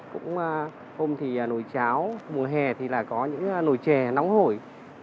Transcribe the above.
cũng hôm thì nồi cháo mùa hè thì là có những nồi chè nóng hổi